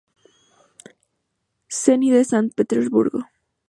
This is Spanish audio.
Zenit de San Petersburgo.